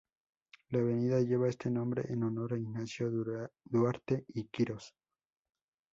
La avenida lleva este nombre en honor a Ignacio Duarte y Quirós.